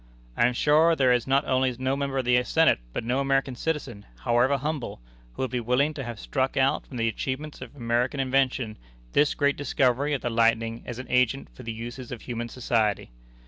I am sure that there is not only no member of the Senate, but no American citizen, however humble, who would be willing to have struck out from the achievements of American invention this great discovery of the lightning as an agent for the uses of human society.